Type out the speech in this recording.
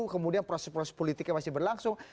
kemudian proses proses politiknya masih berlangsung